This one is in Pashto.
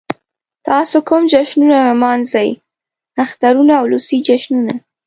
تاسو کوم جشنونه نمانځئ؟ اخترونه او ولسی جشنونه